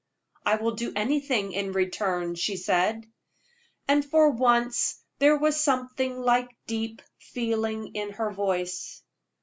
"I will do anything in return," she said. And for once there was something like deep feeling in her voice.